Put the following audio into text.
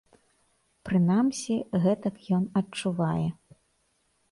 Прынамсі, гэтак ён адчувае.